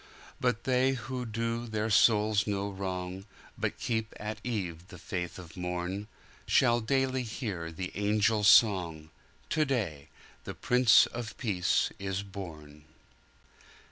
"But they who do their souls no wrong, But keep at eve the faith of morn, Shall daily hear the angel song,"To day the Prince of Peace is born!"